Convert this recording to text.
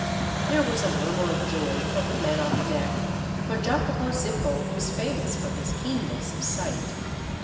There was a murmur of joy from the men on the deck, for Jacopo Zippo was famous for his keenness of sight.